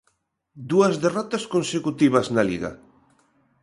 Dúas derrotas consecutivas na Liga.